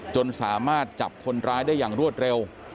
จนสามารถจับคนร้ายได้อย่างรวดเร็ว